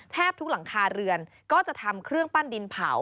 แทบทุกหลังคาเรือนก็จะทำเครื่องปั้นดินเผา